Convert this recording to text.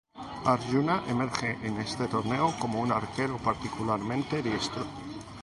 Áryuna emerge en este torneo como un arquero particularmente diestro.